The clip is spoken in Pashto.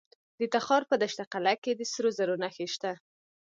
د تخار په دشت قلعه کې د سرو زرو نښې شته.